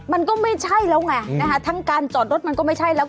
มันก็ไม่ใช่แล้วไงนะคะทั้งการจอดรถมันก็ไม่ใช่แล้ว